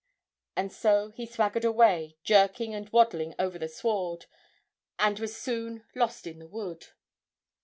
And so he swaggered away, jerking and waddling over the sward, and was soon lost in the wood.